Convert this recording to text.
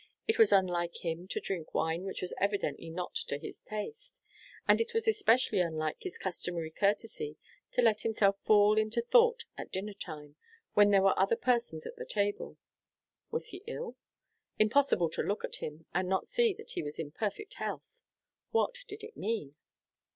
It was unlike him to drink wine which was evidently not to his taste. And it was especially unlike his customary courtesy to let himself fall into thought at dinner time, when there were other persons at the table. Was he ill? Impossible to look at him, and not see that he was in perfect health. What did it mean?